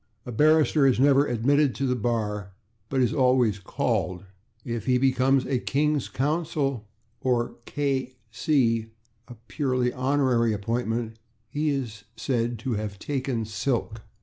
A barrister is never admitted to the bar, but is always /called/. If he becomes a /King's Counsel/, or /K. C./ (a purely honorary appointment), he is said to have /taken silk